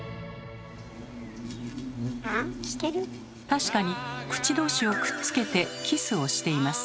確かに口同士をくっつけてキスをしています。